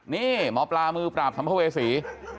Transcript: นี่หมอปลามือปราบสัมภเวษี